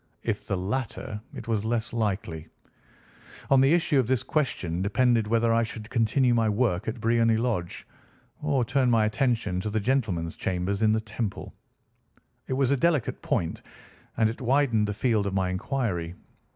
If the latter, it was less likely. On the issue of this question depended whether I should continue my work at Briony Lodge, or turn my attention to the gentleman's chambers in the Temple. It was a delicate point, and it widened the field of my inquiry.